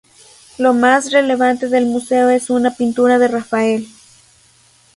Lo más relevante del museo es una pintura de Rafael.